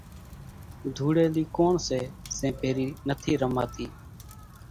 ڌوڙيلي ڪوڻ سي زين ڀيري نٿي رماتي